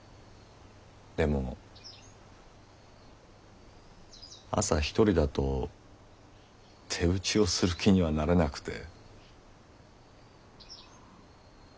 でも朝一人だと手打ちをする気にはなれなくて。